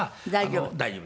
大丈夫？